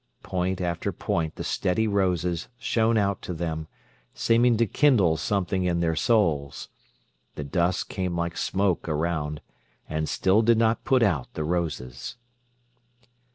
Point after point the steady roses shone out to them, seeming to kindle something in their souls. The dusk came like smoke around, and still did not put out the roses.